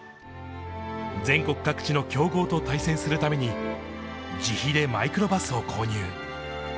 全国各地の強豪と対戦するために、自費でマイクロバスを購入。